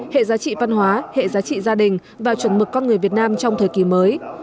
hệ giá trị văn hóa hệ giá trị gia đình và chuẩn mực con người việt nam trong thời kỳ mới